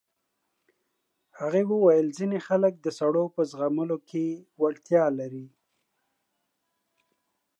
هغې وویل ځینې خلک د سړو په زغملو کې وړتیا لري.